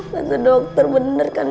masa dokter bener kan